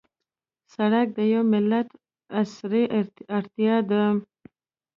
سړک د یوه ملت عصري اړتیا ده.